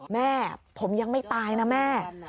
แม่ผมยังไม่ตายนะแม่